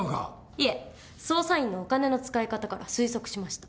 いえ捜査員のお金の使い方から推測しました。